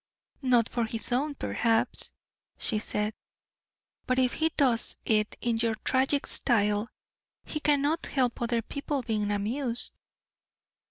"Not for his own, perhaps," she said; "but if he does it in your tragic style, he cannot help other people being amused."